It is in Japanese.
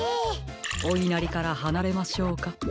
おいなりからはなれましょうか。